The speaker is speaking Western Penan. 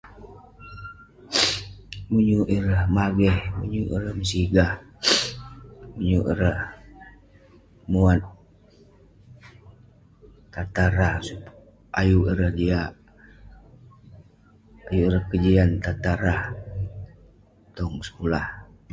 Menyuk ireh mageh, menyuk ireh mesigah, menyuk ireh muat, tatah rah sup- ayuk ireh jiak- ayuk ireh kejian tatah rah tong sekulah.